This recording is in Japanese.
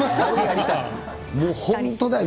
もう、本当だよね。